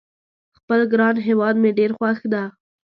خپل ګران هیواد مې ډېر خوښ ده